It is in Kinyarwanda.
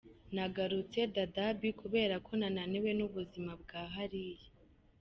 "Nagarutse Dadaab kuberako nananiwe n'ubuzima bwa hariya.